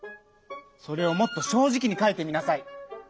それをもっと正じきにかいてみなさい。